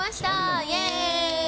イエーイ！